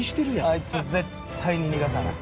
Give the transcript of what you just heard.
あいつを絶対に逃がさない。